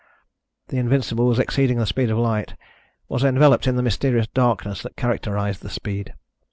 The Invincible was exceeding the speed of light, was enveloped in the mysterious darkness that characterized the speed.